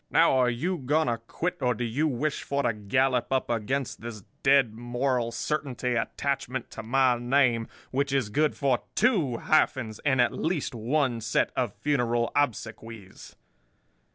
Now, are you going to quit, or do you wish for to gallop up against this Dead Moral Certainty attachment to my name, which is good for two hyphens and at least one set of funeral obsequies?